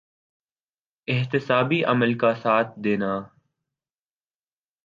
احتسابی عمل کا ساتھ دینا۔